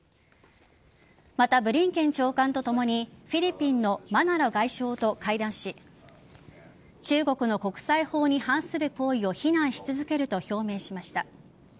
また、ブリンケン長官とともにフィリピンのマナロ外相と会談し中国の国際法に反する行為を非難し続けると表明しました。